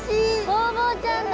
ホウボウちゃんだ！